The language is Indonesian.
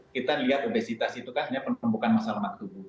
kita lihat obesitas itu kan hanya penemukan masa lemak tubuh